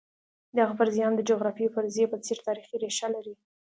دغه فرضیه هم د جغرافیوي فرضیې په څېر تاریخي ریښه لري.